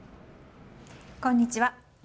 こんにちは。